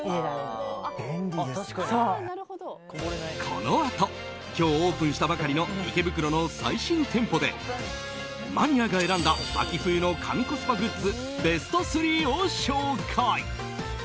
このあと今日オープンしたばかりの池袋の最新店舗でマニアが選んだ秋冬の神コスパグッズベスト３を紹介。